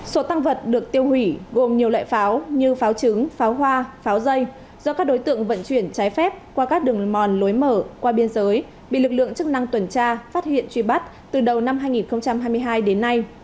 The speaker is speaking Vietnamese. số tăng vật được tiêu hủy gồm nhiều loại pháo như pháo trứng pháo hoa pháo dây do các đối tượng vận chuyển trái phép qua các đường mòn lối mở qua biên giới bị lực lượng chức năng tuần tra phát hiện truy bắt từ đầu năm hai nghìn hai mươi hai đến nay